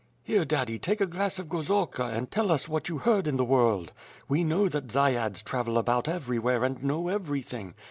"Here, daddy, take a glass of gorzalka and tell us what you heard in the world. We know that dziads travel about everywhere and know everything.